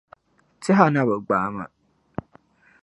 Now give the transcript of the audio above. Tɛha na bi gbaa’ ma.